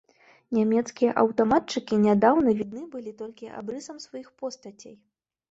Нямецкія аўтаматчыкі нядаўна відны былі толькі абрысам сваіх постацей.